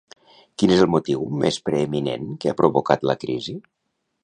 Quin és el motiu més preeminent que ha provocat la crisi?